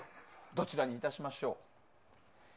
どちらにいたしましょう？